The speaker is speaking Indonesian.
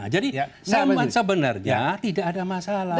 jadi sebenarnya tidak ada masalah